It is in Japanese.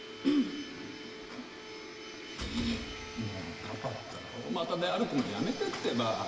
もうパパったら大股で歩くのやめてってば。